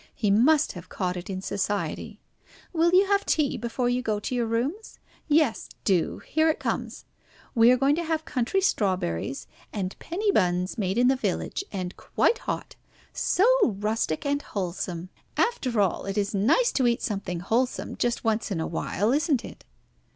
He must have caught it in Society. Will you have tea before you go to your rooms? Yes, do. Here it comes. We are going to have country strawberries and penny buns made in the village, and quite hot! So rustic and wholesome! After all, it is nice to eat something wholesome just once in a while, isn't it?"